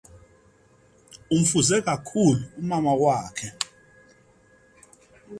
umfuze kakhulu umama wakhe